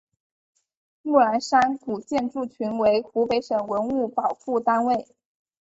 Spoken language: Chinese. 木兰山古建筑群为湖北省文物保护单位。